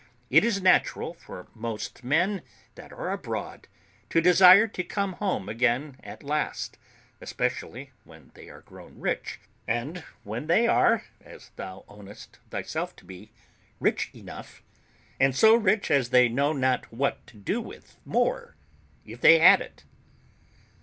It is natural for most men that are abroad to desire to come home again at last, especially when they are grown rich, and when they are (as thou ownest thyself to be) rich enough, and so rich as they know not what to do with more if they had it."